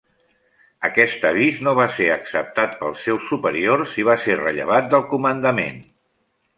Aquest avís no va ser acceptat pels seus superiors, i va ser rellevat del comandament.